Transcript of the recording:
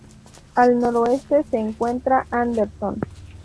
Al noreste se encuentra Anderson.